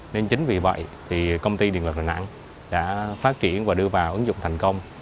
nên chính vì vậy thì công ty điện lực đà nẵng đã phát triển và đưa vào ứng dụng thành công